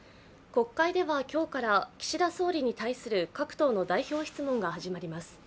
国会では今日から岸田総理に対する各党の代表質問が始まります。